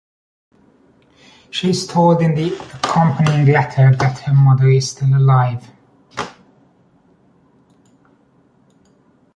She is told in the accompanying letter that her mother is still alive.